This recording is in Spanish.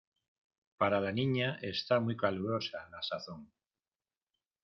para la Niña está muy calurosa la sazón.